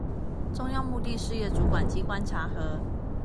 中央目的事業主管機關查核